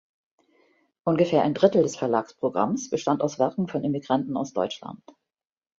Ungefähr ein Drittel des Verlagsprogramms bestand aus Werken von Emigranten aus Deutschland.